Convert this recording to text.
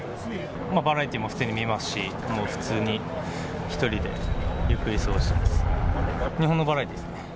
バラエティーも普通に見ますし、普通に１人でゆっくり過ごしてます。